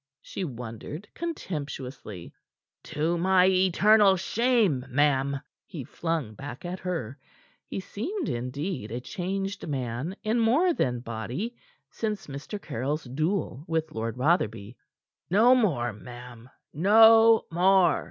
she wondered contemptuously. "To my eternal shame, ma'am!" he flung back at her. He seemed, indeed, a changed man in more than body since Mr. Caryll's duel with Lord Rotherby. "No more, ma'am no more!"